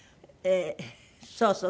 そうそう。